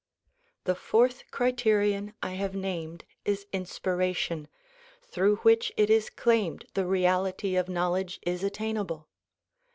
The fourth criterion I have named is inspiration through which it is claimed the reality of knowledge is attainable.